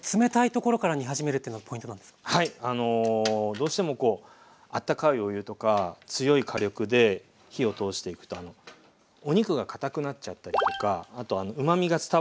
どうしてもあったかいお湯とか強い火力で火を通していくとお肉が堅くなっちゃったりとかあとうまみが伝わりづらいんですね。